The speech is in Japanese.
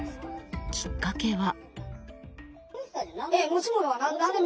きっかけは。